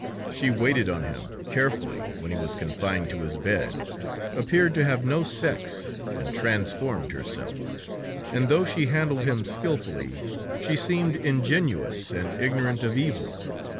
She waited on him carefully when he was confined to his bed, appeared to have no sex, and transformed herself; and though she handled him skillfully, she seemed ingenuous and ignorant of evil.